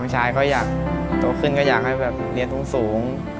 ตัวขึ้นก็อยากให้เลี้ยงสูง